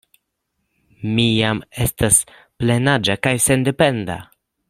Mi jam estas plenaĝa kaj sendependa.